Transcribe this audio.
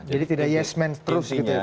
jadi tidak yes man terus gitu ya pak